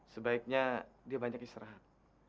sebaiknya dia banyak istirahat